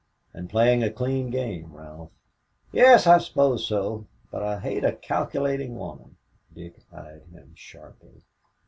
"And playing a clean game, Ralph." "Yes, I suppose so, but I hate a calculating woman." Dick eyed him sharply.